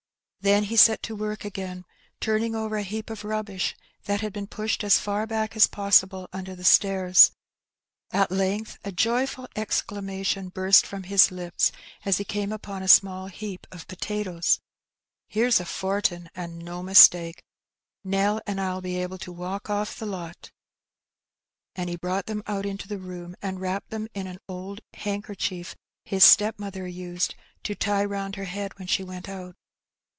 '' Then he set to work again turning over a heap of rubbish that had been pushed as far back as possible under the stairs. At length a joyfdl exclamation burst from his lips as he came upon a small heap of potatoes. '' Here's a fortin', an' no mistake ; Nell and I'll be able to A^ralk off the lot." And he brought them out into the room, and wrapped them in an old handkerchief his stepmother used to tie round ler head when she went out.